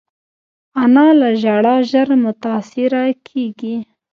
انا له ژړا ژر متاثره کېږي